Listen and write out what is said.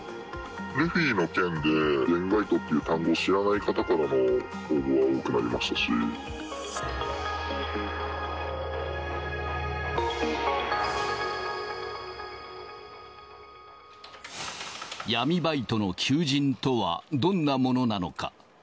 ルフィの件で闇バイトっていう単語、知らない方からも応募が多く闇バイトの求人とはどんなものなのか。